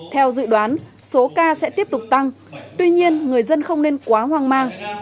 theo dự đoán số ca sẽ tiếp tục tăng tuy nhiên người dân không nên quá hoang mang